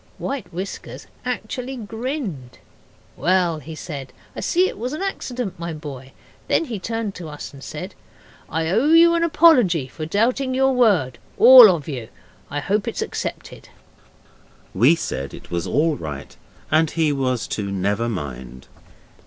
White Whiskers actually grinned. 'Well,' he said, 'I see it was an accident, my boy.' Then he turned to us and said 'I owe you an apology for doubting your word all of you. I hope it's accepted.' We said it was all right and he was to never mind.